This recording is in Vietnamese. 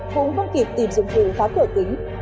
cũng không kịp tìm dụng cử phá cửa kính